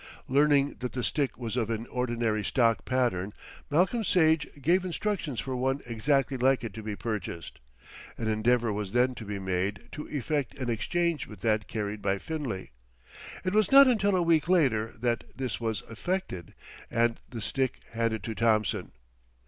Learning that the stick was of an ordinary stock pattern, Malcolm Sage gave instructions for one exactly like it to be purchased. An endeavour was then to be made to effect an exchange with that carried by Finlay. It was not until a week later that this was effected, and the stick handed to Thompson.